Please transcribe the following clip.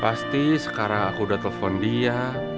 pasti sekarang aku udah telepon dia